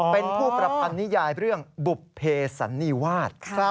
เป็นผู้ประพันนิยายเรื่องบุภเพสันนิวาส